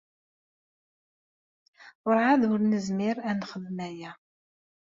Werɛad ur nezmir ara ad nexdem aya.